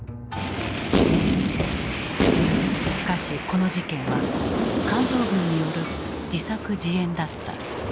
しかしこの事件は関東軍による自作自演だった。